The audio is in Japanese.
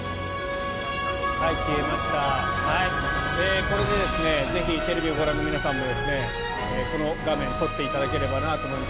これでぜひテレビをご覧の皆さんもこの画面撮っていただければなと思います。